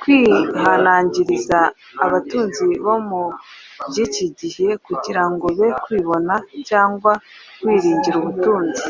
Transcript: kwihanangiriza abatunzi bo mu by’iki gihe, kugira ngo be kwibona, cyangwa kwiringira ubutunzi.